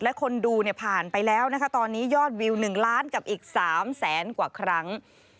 และคนดูเนี่ยผ่านไปแล้วนะคะตอนนี้ยอดวิว๑ล้านกับอีก๓แสนกว่าครั้ง